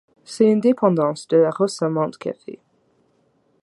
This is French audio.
C'est une dépendance de la roça Monte Café.